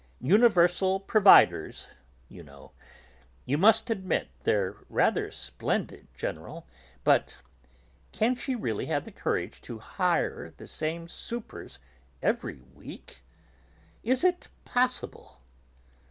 'Universal providers,' you know. You must admit, they're rather splendid, General. But can she really have the courage to hire the same 'supers' every week? It isn't possible!"